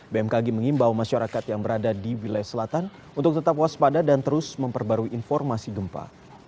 bmkg mengimbau masyarakat yang berada di wilayah selatan untuk tetap waspada dan terus memperbarui informasi gempa